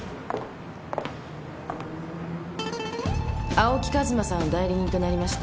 青木和馬さん代理人となりました